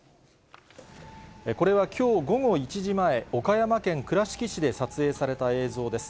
これはきょう午後１時前、岡山県倉敷市で撮影された映像です。